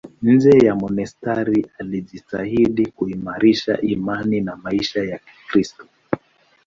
Nje ya monasteri alijitahidi kuimarisha imani na maisha ya Kikristo.